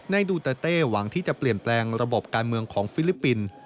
ดูเตอร์เต้หวังที่จะเปลี่ยนแปลงระบบการเมืองของฟิลิปปินส์